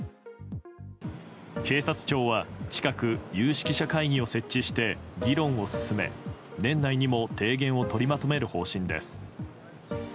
警察庁は近く有識者会議を設置して議論を進め年内にも提言を取りまとめる方針です。